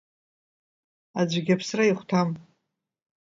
Аӡәгьы аԥсра ихәҭам.